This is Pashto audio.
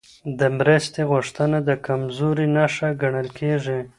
د مرستې غوښتنه د کمزورۍ نښه ګڼل کېږي.